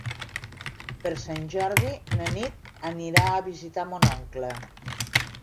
Per Sant Jordi na Nit anirà a visitar mon oncle.